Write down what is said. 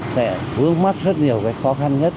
sẽ vướng mắt rất nhiều cái khó khăn nhất